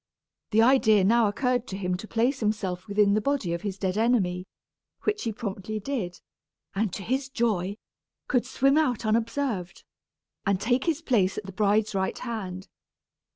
The idea now occurred to him to place himself within the body of his dead enemy, which he promptly did, and to his joy, could swim out unobserved, and take his place at the bride's right hand.